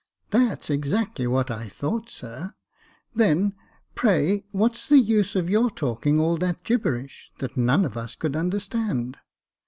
" That's exactly what I thought, sir. Then pray what's the use of your talking all that gibberish, that none of us could understand